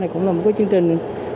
cũng là một chương trình